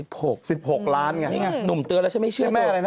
นี่ไงหนุ่มเตือนแล้วฉันไม่เชื่อตัว